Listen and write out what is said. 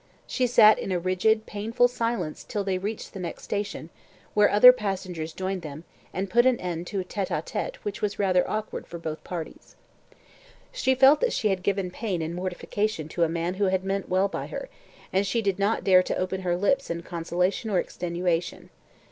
She sat in a rigid, painful silence till they reached the next station, where other passengers joined them, and put an end to a TETE A TETE which was rather awkward for both parties. She felt that she had given pain and mortification to a man who had meant well by her, and she did not dare to open her lips in consolation or extenuation.